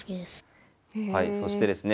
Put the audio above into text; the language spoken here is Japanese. はいそしてですね